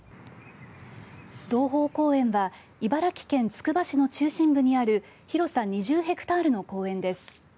洞峰公園は茨城県つくば市の中心部にある広さ２０ヘクタールの公園です。